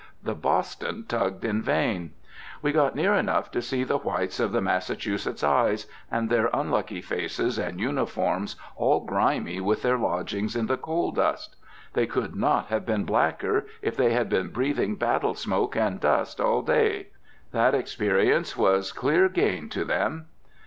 The Boston tugged in vain. We got near enough to see the whites of the Massachusetts eyes, and their unlucky faces and uniforms all grimy with their lodgings in the coal dust. They could not have been blacker, if they had been breathing battle smoke and dust all day. That experience was clear gain to them.